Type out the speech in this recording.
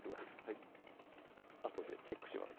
はいあとでチェックします